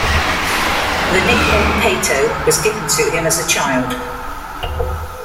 The nickname "Pato" was given to him as a child.